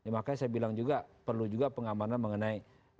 makanya saya bilang juga perlu juga pengamanan mengenai